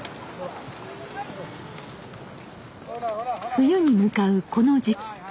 冬に向かうこの時期。